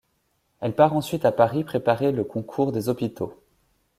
Elle part ensuite à Paris préparer le concours des Hôpitaux.